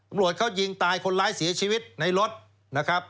ตำรวจเขายิงตายคนร้ายเสียชีวิตในรถนะครับ